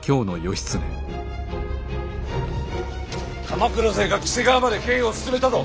鎌倉勢が黄瀬川まで兵を進めたぞ。